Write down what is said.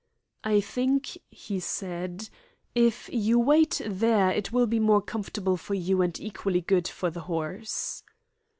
"I think," he said, "if you wait there it will be more comfortable for you and equally good for the horse."